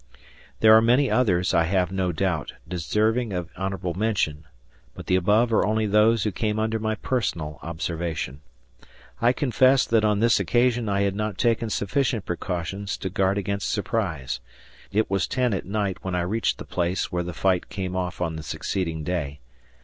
There are many others, I have no doubt, deserving of honorable mention, but the above are only those who came under my personal observation. I confess that on this occasion I had not taken sufficient precautions to guard against surprise. It was 10 at night when I reached the place where the fight came off on the succeeding day.